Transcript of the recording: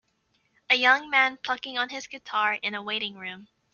A young man plucking on his guitar in a waiting room.